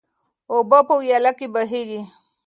اوبه په ویاله کې بهیږي.